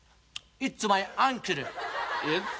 イッツマイアンキル。